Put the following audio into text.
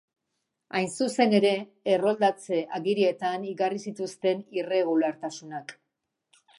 Hain zuzen ere, erroldatze-agirietan igarri zituzten irregulartasunak.